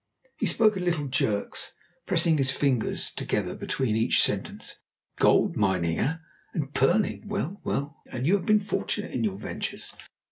He spoke in little jerks, pressing his fingers together between each sentence. "Gold mining! Ah! And pearling! Well, well! And you have been fortunate in your ventures?"